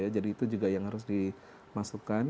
jadi itu juga yang harus dimasukkan